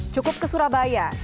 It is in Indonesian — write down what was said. cukup ke surabaya